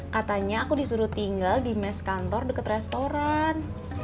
katanya aku disuruh tinggal di mes kantor dekat restoran